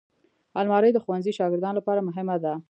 الماري د ښوونځي شاګردانو لپاره مهمه ده